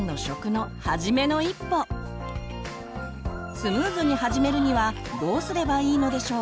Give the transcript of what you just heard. スムーズに始めるにはどうすればいいのでしょう？